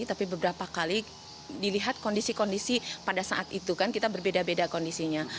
tapi beberapa kali dilihat kondisi kondisi pada saat itu kan kita berbeda beda kondisinya